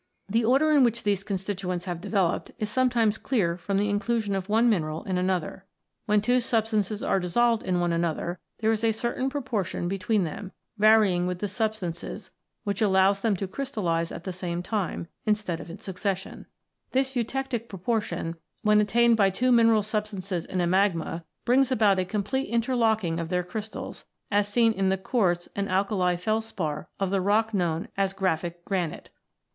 The order in which these constituents have developed is sometimes clear from the inclusion of one mineral in another. When two substances are dissolved in one another, there is a certain proportion v] IGNEOUS ROCKS 109 between them, varying with the substances, which allows them to crystallise at the same time, instead of in succession. This eutectie proportion, when attained by two mineral substances in a magma, brings about a complete interlocking of their crystals, as is seen in the quartz and alkali felspar of the rock known as "graphic granite."